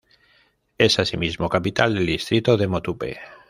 Es asimismo capital del distrito de Motupe.